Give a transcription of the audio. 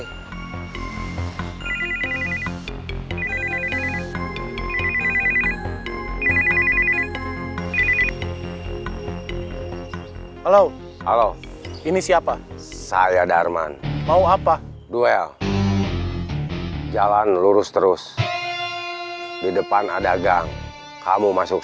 halo halo ini siapa saya darman mau apa duel jalan lurus terus di depan ada gang kamu masuk